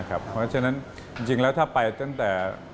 เพราะฉะนั้นจริงแล้วถ้าไปตั้งแต่